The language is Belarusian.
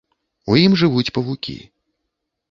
У ім жывуць павукі.